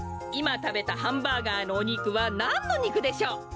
いまたべたハンバーガーのおにくはなんのにくでしょう？